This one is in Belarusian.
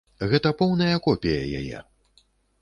Гэта поўная копія яе!